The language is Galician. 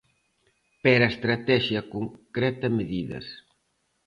Pero a Estratexia concreta medidas.